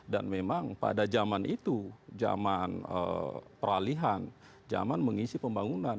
dan memang pada zaman itu zaman peralihan zaman mengisi pembangunan